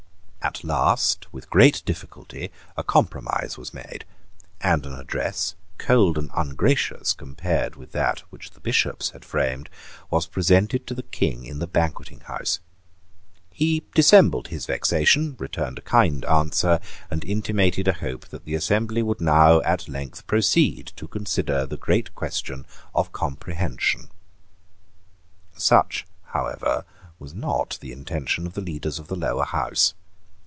At last, with great difficulty, a compromise was made; and an address, cold and ungracious compared with that which the Bishops had framed, was presented to the King in the Banqueting House. He dissembled his vexation, returned a kind answer, and intimated a hope that the assembly would now at length proceed to consider the great question of Comprehension, Such however was not the intention of the leaders of the Lower House.